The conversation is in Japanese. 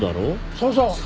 そうそう。